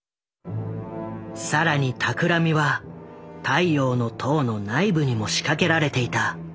更に企みは「太陽の塔」の内部にも仕掛けられていた。